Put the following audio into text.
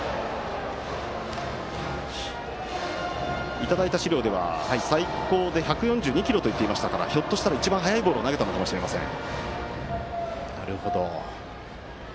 いただいた資料では最高で１４２キロと言っていたのでひょっとしたら一番速い球を投げたかもしれません。